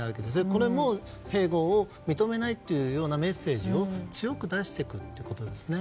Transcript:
これも併合を認めないというメッセージを強く出していくということですね。